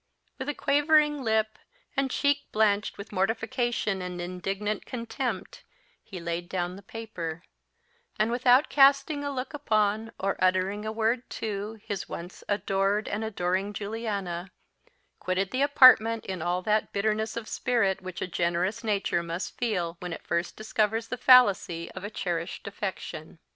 With a quivering lip, and cheek blanched with mortification and indignant contempt, he laid down the paper; and without casting a look upon, or uttering a word to, his once adored and adoring Juliana, quitted the apartment in all that bitterness of spirit which a generous nature must feel when it first discovers the fallacy of a cherished affection.